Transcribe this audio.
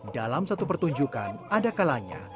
dalam satu pertunjukan ada kalanya